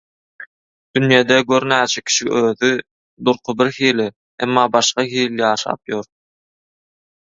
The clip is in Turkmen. Dünýede gör näçe kişi özi, durky birhili, emma başga hili ýaşap ýör.